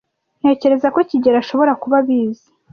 Ntekereza ko kigeli ashobora kuba abizi.